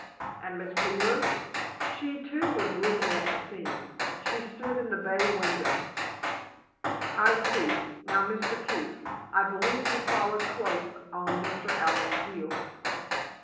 "And Miss Wheeler?" "She, too, was looking at the scene. She stood in the bay window." "I see. Now, Mr. Keefe, I believe you followed close on Mr. Allen's heels.